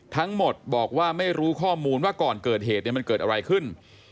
ทั้งหมดบอกว่าไม่รู้ข้อมูลว่าก่อนเกิดเหตุมันเกิดอะไรขึ้น